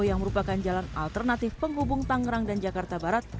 yang merupakan jalan alternatif penghubung tangerang dan jakarta barat